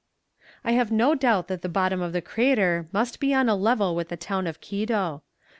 "I have no doubt that the bottom of the crater must be on a level with the town of Quito.